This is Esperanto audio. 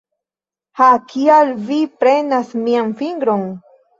Ha... kial vi prenas mian fingron?